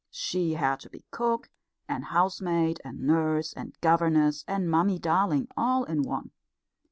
She had to be cook and housemaid and nurse and governess and Mummy darling all in one.